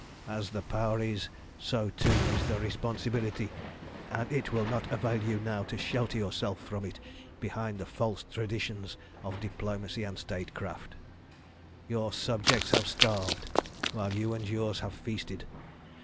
As the power is, so too is the responsibility, and it will not avail you now to shelter yourself from it behind the false traditions of diplomacy and statecraft. "Your subjects have starved, while you and yours have feasted.